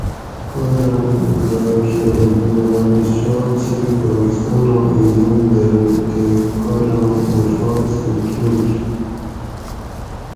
کالام راۤکہ حکمرانِ سوات صرف پاکستاناں ایجنٹ دۤرو تے کالام وفاق سہ چُونڑ جِین